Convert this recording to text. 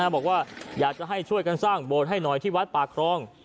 บอกว่าอยากจะให้ช่วยกันสร้างโบสถ์ให้หน่อยที่วัดป่าครอง